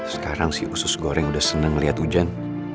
sekarang si usus goreng udah seneng liat hujan